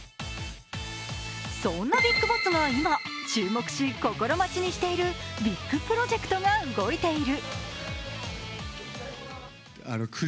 そんなビッグボスが今、注目し、心待ちにしているビッグプロジェクトが動いている。